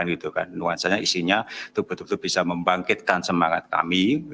nuansanya isinya itu betul betul bisa membangkitkan semangat kami